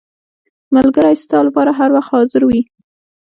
• ملګری ستا لپاره هر وخت حاضر وي.